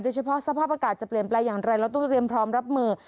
เฉพาะสภาพอากาศจะเปลี่ยนแปลงอย่างไรเราต้องเตรียมพร้อมรับมือ